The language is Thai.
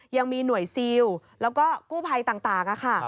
ยังมีหน่วยซิลแล้วก็กู้ภัยต่างค่ะ